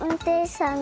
さん